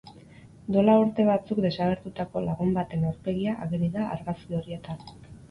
Duela urte batzuk desagertutako lagun baten aurpegia ageri da argazki horietan.